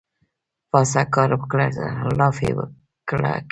پاڅه کار وکړه لافې کړه کمې